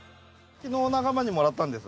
昨日仲間にもらったんです。